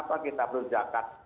kenapa kita perlu zakat